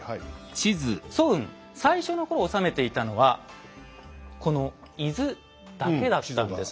早雲最初の頃治めていたのはこの伊豆だけだったんですね。